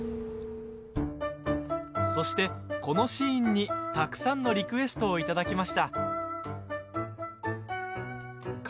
そして、このシーンにたくさんのリクエストをいただきました。